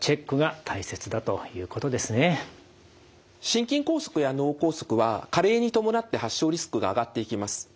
心筋梗塞や脳梗塞は加齢に伴って発症リスクが上がっていきます。